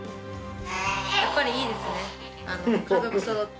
やっぱりいいですね、家族そろって。